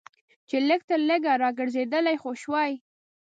چې لږ تر لږه راګرځېدلی خو شوای.